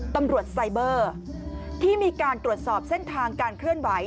ตำรวจไซเบอร์ที่มีการตรวจสอบเส้นทางการเคลื่อนไหว